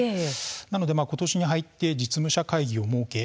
なので今年に入って実務者会議を設け